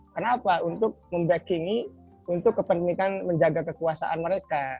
kenapa untuk membackingi untuk kepentingan menjaga kekuasaan mereka